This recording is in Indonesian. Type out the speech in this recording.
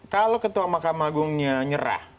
kalau ketua mahkamah agungnya nyerah